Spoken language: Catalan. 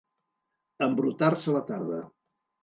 Embrutar-se la tarda.